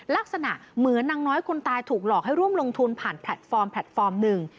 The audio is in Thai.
ลักษณะเหมือนนางน้อยคนตายถูกหลอกให้ร่วมลงทุนผ่านแพลตฟอร์มแพลตฟอร์มหนึ่ง